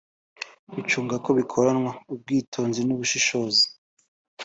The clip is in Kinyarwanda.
zicunga ko bikoranwa ubwitonzi n’ubushishozi